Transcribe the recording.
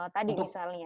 tadi misalnya ya